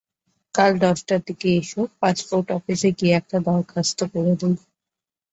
কাল সকাল দশটার দিকে এসো, পাসপোর্ট অফিসে গিয়ে একটা দরখাস্ত করে দিই।